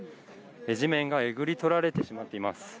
地面がえぐり取られてしまっています。